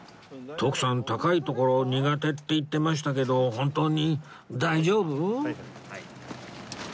徳さん高い所苦手って言ってましたけど本当に大丈夫！？